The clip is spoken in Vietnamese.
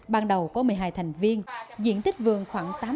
ban đầu có một mươi hai thành viên diện tích vườn khoảng tám bảy hectare